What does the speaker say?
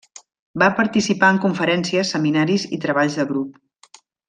Va participar en conferències, seminaris i treballs de grup.